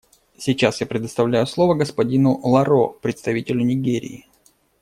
Сейчас я предоставляю слово господину Ларо — представителю Нигерии.